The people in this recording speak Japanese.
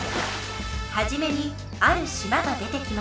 はじめにある島が出てきます。